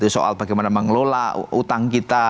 soal bagaimana mengelola utang kita